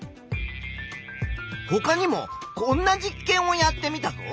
ほかにもこんな実験をやってみたぞ。